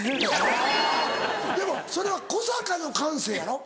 はぁでもそれは古坂の感性やろ？